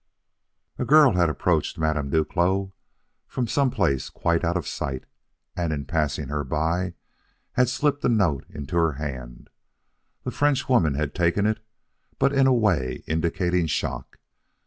A girl had approached Madame Duclos from some place quite out of sight, and in passing her by, had slipped a note into her hand. The Frenchwoman had taken it, but in a way indicating shock.